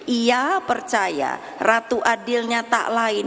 ia percaya ratu adilnya tak lain